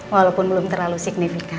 walaupun belum terlalu signifikan